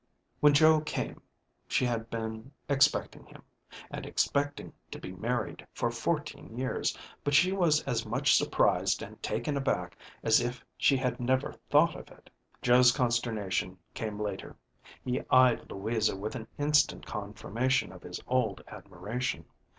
When Joe came she had been expecting him, and expecting to be married for fourteen years, but she was as much surprised and taken aback as if she had never thought of it. Joe's consternation came later. He eyed Louisa with an instant confirmation of his old admiration.